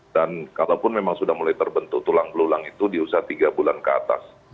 dan kalaupun memang sudah mulai terbentuk tulang pelulang itu di usia tiga bulan ke atas